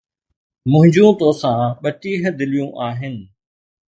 منھنجون توسان ٻٽيهه دليون آھن.